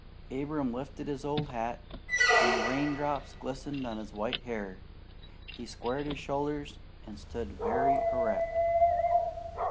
Abram lifted his old hat, and the raindrops glistened on his white hair. He squared his shoulders and stood very erect.